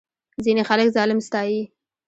ځینې خلک ظالم ستایي.